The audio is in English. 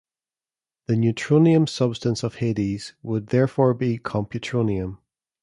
The neutronium substance of Hades would therefore be computronium.